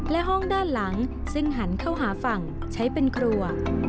และห้องด้านหลังซึ่งหันเข้าหาฝั่งใช้เป็นครัว